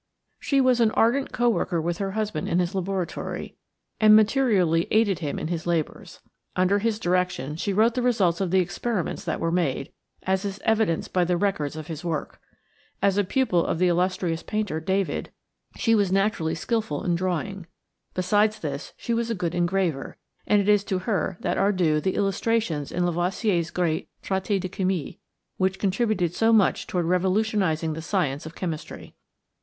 She was an ardent co worker with her husband in his laboratory and materially aided him in his labors. Under his direction she wrote the results of the experiments that were made, as is evidenced by the records of his work. As a pupil of the illustrious painter, David, she was naturally skillful in drawing. Besides this, she was a good engraver, and it is to her that are due the illustrations in Lavoisier's great Traité de Chimie, which contributed so much toward revolutionizing the science of chemistry.